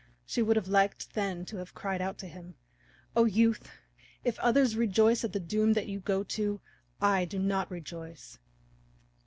She would have liked then to have cried out to him, "O youth, if others rejoice at the doom that you go to, I do not rejoice."